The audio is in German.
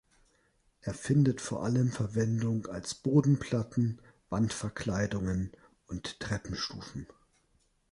Er findet vor allem Verwendung als Bodenplatten, Wandverkleidungen und Treppenstufen.